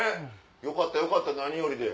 よかったよかった何よりで。